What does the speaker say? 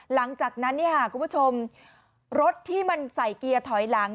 หลังจากนั้นคุณผู้ชมรถที่มันใส่เกียร์ถอยหลัง